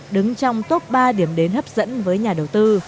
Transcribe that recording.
đứng trong top ba điểm đến hấp dẫn với nhà đầu tư